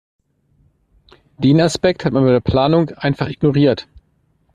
Den Aspekt hat man bei der Planung einfach ignoriert.